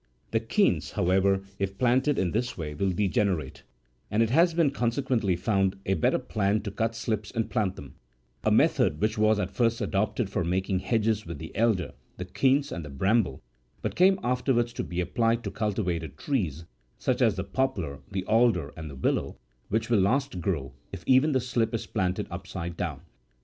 The quince, however, if planted in this way will degenerate,38 and it has been consequently found a better plan to cut slips and plant them : a method which was at first adopted for making hedges, with the elder, the quince, and the bramble, but came afterwards to be applied to cultivated trees, such as the poplar, the alder, and the willow, which last will grow if even the slip is planted upside down.